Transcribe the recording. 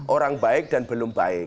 orang baik dan belum baik